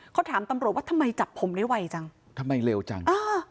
เขาถามตำรวจว่าทำไมจับผมได้ไวจังทำไมเร็วจังอ่า